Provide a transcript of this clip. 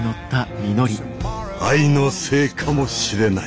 愛のせいかもしれない。